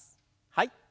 はい。